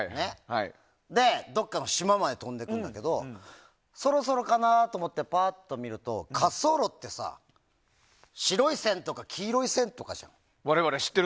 それで、どっかの島まで飛んでいくんだけどそろそろかなと思ってパッと見ると滑走路ってさ白い線とか黄色い線とかじゃない。